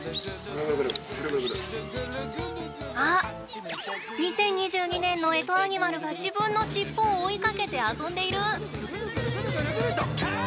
あ、２０２２年の干支アニマルが自分の尻尾を追いかけて遊んでいる。